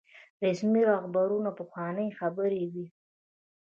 رسمي روغبړونه پخوانۍ خبرې وي.